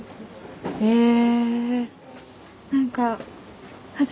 へえ。